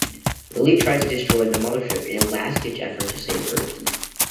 Lili tries to destroy the mothership in a last-ditch effort to save Earth.